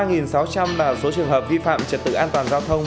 ba sáu trăm linh là số trường hợp vi phạm trật tự an toàn giao thông